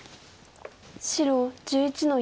白１１の四ツギ。